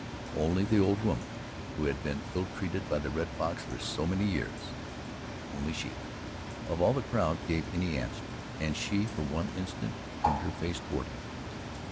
Only the old woman who had been ill treated by the Red Fox for so many years only she, of all the crowd, gave any answer, and she for one instant turned her face toward him.